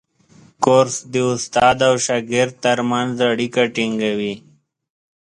کورس د استاد او شاګرد ترمنځ اړیکه ټینګوي.